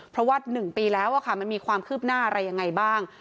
เพราะว่า๑ปีแล้วมันมีความคืบหน้าอะไรยังไงบ้าง